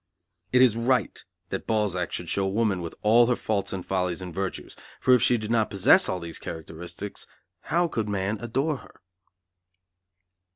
It is right that Balzac should show woman with all her faults and follies and virtues, for if she did not possess all these characteristics, how could man adore her?